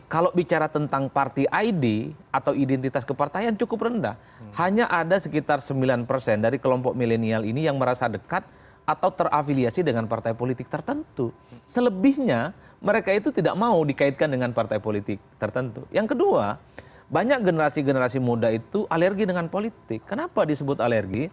kalau bicara tentang kontestan dan peserta rasa rasanya akan nambah